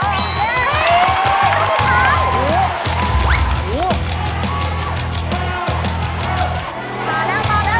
มาแล้วมาแล้วมาแล้ว